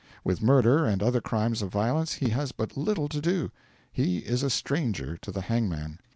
With murder and other crimes of violence he has but little to do: he is a stranger to the hangman.